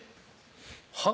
はっ？